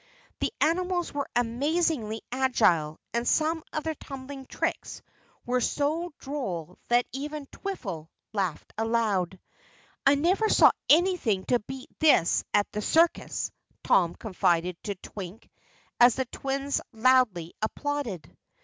The animals were amazingly agile and some of their tumbling tricks were so droll that even Twiffle laughed aloud. "I never saw anything to beat this at the circus," Tom confided to Twink as the twins loudly applauded.